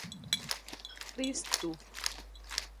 Kristo.